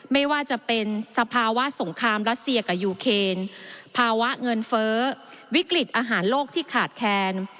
ไม่ว่าจะเป็นสภาวะสงครามรัสเซียกับยูเคนภาวะเงินเฟ้อวิกฤตอาหารโลกที่ขาดแคลน